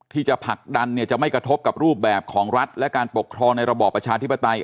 ที่จะผลักดันเนี่ยจะไม่กระทบกับรูปแบบของรัฐและการปกครองในระบอบประชาธิปไตย